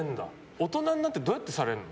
大人になってどうやってされるの？